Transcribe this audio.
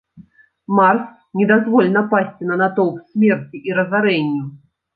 Марс, не дазволь напасці на натоўп смерці і разарэнню.